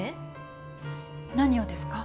何をですか？